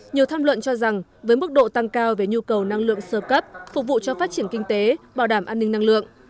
nhiều tham luận cho rằng với mức độ tăng cao về nhu cầu năng lượng sơ cấp phục vụ cho phát triển kinh tế bảo đảm an ninh năng lượng